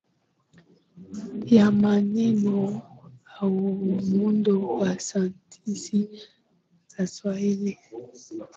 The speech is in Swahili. ya maneno au muundo wasentensi za Kiswahili